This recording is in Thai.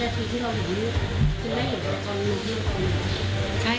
วันที่สุดท้าย